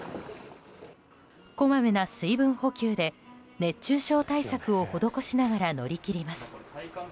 こまめな水分補給で熱中症対策を施しながら乗り切ります。